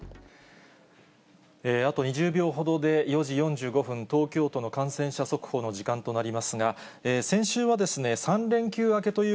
あと２０秒ほどで４時４５分、東京都の感染者速報の時間となりますが、先週は３連休明けという